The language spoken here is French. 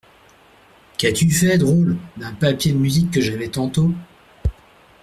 Qu’as-tu fait, drôle, d’un papier de musique que j’avais tantôt ?